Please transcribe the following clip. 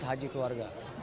buat haji keluarga